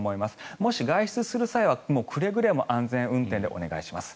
もし、外出する際はくれぐれも安全運転でお願いします。